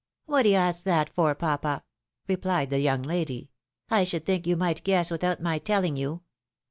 "What d'ye ask that for, papa? "replied the young lady; "I should think you might guess, without my telhng you."